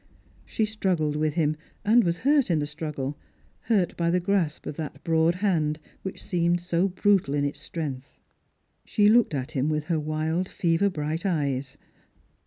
She struggled with him, and was hurt in the struggle — hurt by the grasp of that broad hand, which seemed so brutal in its strength. She looked at him with her wild fiever bright eyes.